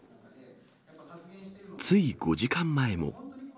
つい５時間前も。